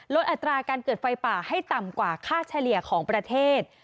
อัตราการเกิดไฟป่าให้ต่ำกว่าค่าเฉลี่ยของประเทศ